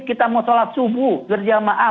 kita mau sholat subuh berjamaah